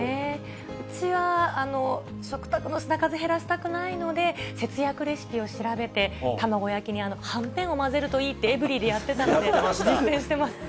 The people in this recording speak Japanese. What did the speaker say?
うちは食卓の品数減らしたくないので、節約レシピを調べて、卵焼きにはんぺんを混ぜるといいって、エブリィでやってたので、実践してます。